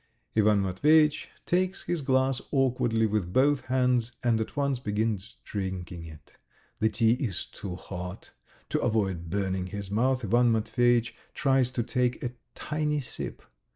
Ivan Matveyitch takes his glass awkwardly with both hands, and at once begins drinking it. The tea is too hot. To avoid burning his mouth Ivan Matveyitch tries to take a tiny sip.